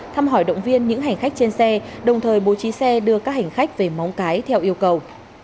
thăm hỏi động viên những hành khách trên xe đồng thời bố trí xe đưa các hành khách về móng cái theo yêu cầu